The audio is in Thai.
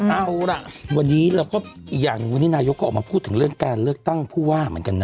เอาล่ะวันนี้เราก็อีกอย่างหนึ่งวันนี้นายกก็ออกมาพูดถึงเรื่องการเลือกตั้งผู้ว่าเหมือนกันนะ